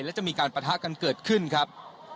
และจะมีการปะทะกันเกิดขึ้นครับ